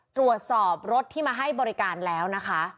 ตรวจสอบรถที่มาให้บริการแล้วนะคะ